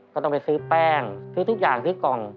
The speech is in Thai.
ก็ต้องไปซื้อแป้งซื้อทุกอย่างซื้อกล่อง